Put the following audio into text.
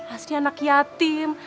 asri anak yatim